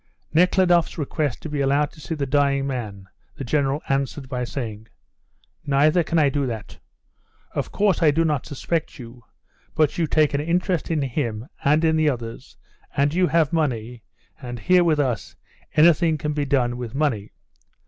Nekhludoff's request to be allowed to see the dying man the General answered by saying, "Neither can I do that. Of course I do not suspect you, but you take an interest in him and in the others, and you have money, and here with us anything can be done with money.